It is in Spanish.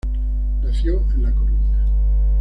Nació en la Coruña.